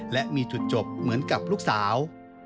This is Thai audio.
และมีจุดจบเหมือนกับลูกสาว